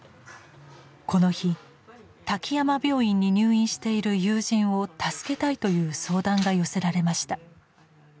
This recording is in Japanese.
この日「滝山病院に入院している友人を助けたい」という相談が寄せられました。